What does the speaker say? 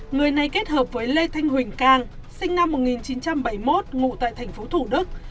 người này kết hợp với lê thanh huỳnh cang sinh năm một nghìn chín trăm bảy mươi một ngụ tại thành phố thủ đức